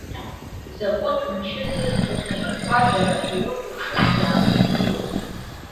Закәытә мчызыз, урҭ анапқәа дара ирыкәыршан иаанызкылоз!